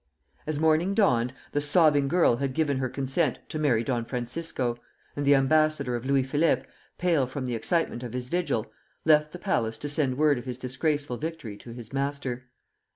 As morning dawned, the sobbing girl had given her consent to marry Don Francisco, and the ambassador of Louis Philippe, pale from the excitement of his vigil, left the palace to send word of his disgraceful victory to his master.